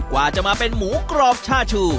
ว่าจะมาเป็นหมูกรอบชาชู